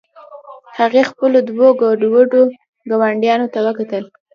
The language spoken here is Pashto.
هغې خپلو دوو ګډوډو ګاونډیانو ته وکتل